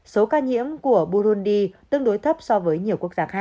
số ca nhiễm của buruni tương đối thấp so với nhiều quốc gia khác